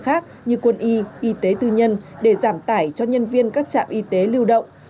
khác như quân y y tế tư nhân để giảm tải cho nhân viên các trạm y tế lưu động